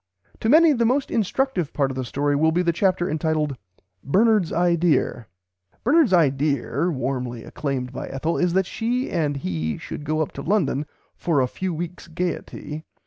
To many the most instructive part of the story will be the chapter entitled "Bernard's Idear." Bernard's "idear" (warmly acclaimed by Ethel) is that she and he should go up to London "for a few weeks gaierty."